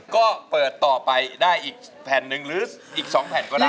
ก็เปิดต่อไปได้อีกแผ่นหนึ่งหรืออีก๒แผ่นก็ได้